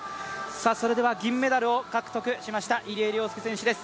銀メダルを獲得しました入江陵介選手です。